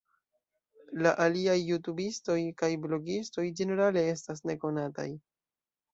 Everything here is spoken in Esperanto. La aliaj jutubistoj kaj blogistoj ĝenerale estas nekonataj.